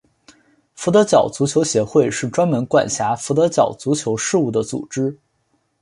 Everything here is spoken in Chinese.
佛得角足球协会是专门管辖佛得角足球事务的组织。